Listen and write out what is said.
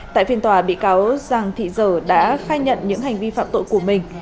tại phiên tòa bị cáo giàng thị dở đã khai nhận những hành vi phạm tội của mình